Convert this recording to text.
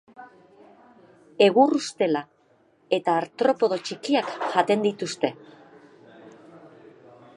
Egur ustela eta artropodo txikiak jaten dituzte.